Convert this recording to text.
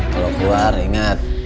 kalo keluar ingat